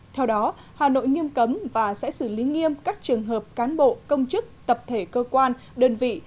theo đó hà nội nghiêm cấm và sẽ xử lý nghiêm các trường hợp cán bộ công chức tập thể cơ quan đơn vị